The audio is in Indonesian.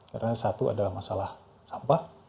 karena satu adalah masalah sampah